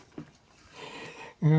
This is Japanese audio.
うん。